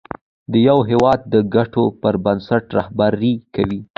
د یو هېواد د ګټو پر بنسټ رهبري کوي.